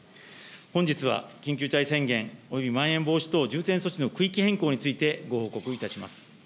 本日は緊急事態宣言およびまん延防止等重点措置の区域変更について、ご報告いたします。